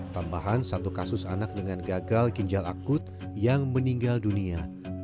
tambahan satu kasus anak dengan gagal ginjal akut yang meninggal dunia